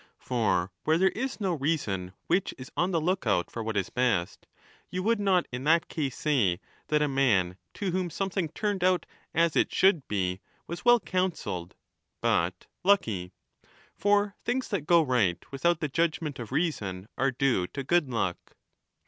For where there is no reason which is on the look out for what is best, you would' not in that case say that a man to whom something turned out as it should be was well counselled, but lucky. For things that go right without the judgement of reason are due to good luck.